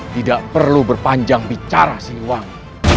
tidak perlu berpanjang bicara sini wangi